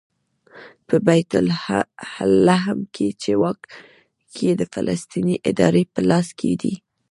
په بیت لحم کې چې واک یې د فلسطیني ادارې په لاس کې دی.